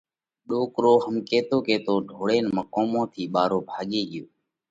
ڏوڪرو هم ڪيتو ڪيتو ڍوڙينَ مقومون ٿِي ٻارو ڀاڳي ڳيو.